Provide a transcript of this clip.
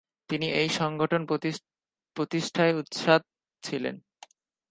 তিনি এই সংগঠন প্রতিষ্ঠায় উৎসাহ দেন।